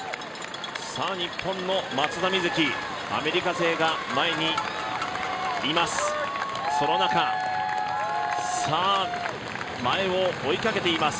日本の松田瑞生、アメリカ勢が前にいます。